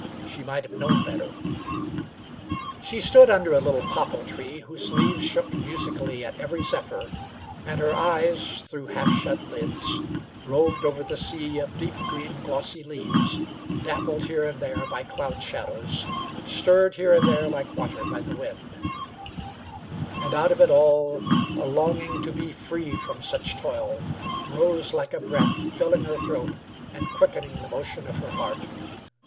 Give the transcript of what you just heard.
She might have known better. She stood under a little popple tree, whose leaves shook musically at every zephyr, and her eyes, through half shut lids, roved over the sea of deep green, glossy leaves, dappled here and there by cloud shadows, stirred here and there like water by the wind; and out of it all a longing to be free from such toil rose like a breath, filling her throat and quickening the motion of her heart.